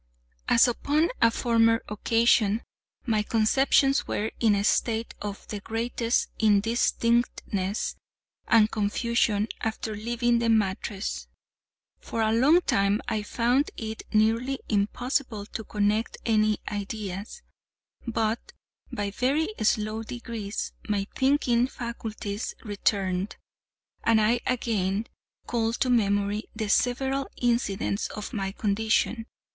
As upon a former occasion my conceptions were in a state of the greatest indistinctness and confusion after leaving the mattress. For a long time I found it nearly impossible to connect any ideas; but, by very slow degrees, my thinking faculties returned, and I again called to memory the several incidents of my condition.